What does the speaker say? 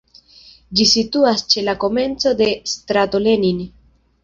Ĝi situas ĉe la komenco de strato Lenin.